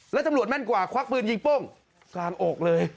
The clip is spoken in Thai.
แล้วตำรวจแม่นกว่าควักปืนยิงโป้งกลางอกเลย